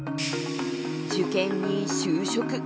受験に就職。